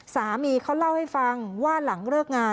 สามีเขาเล่าให้ฟังว่าหลังเลิกงาน